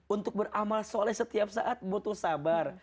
untuk beramal soleh setiap saat butuh sabar